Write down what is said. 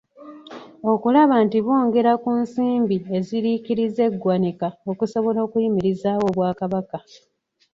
Okulaba nti bongera ku nsimbi eziriikiriza eggwanika okusobola okuyimirizaawo Obwakabaka.